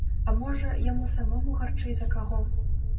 А можа, яму самому гарчэй за каго.